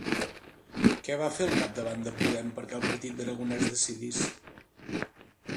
Què va fer el capdavant de Podem perquè el partit d'Aragonès decidís?